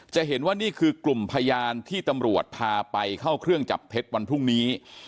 จะเห็นว่านี่คือกลุ่มพยานที่ตำรวจพาไปเข้าเครื่องจับเท็จวันพรุ่งนี้